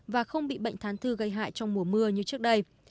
và không bị bệnh thán thư gây hại trong mùa mưa như trước đây